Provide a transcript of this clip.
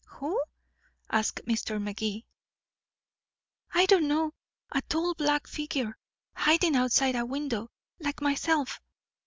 "Who?" asked Mr. Magee. "I don't know a tall black figure hiding outside a window like myself.